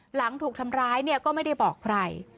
หลังถูกทำร้ายเนี่ยก็ไม่ได้บอกใคร